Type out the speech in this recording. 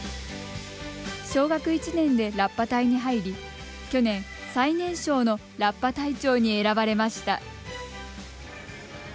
小学１年でラッパ隊に入り去年、最年少のラッパ隊長に選ばれました。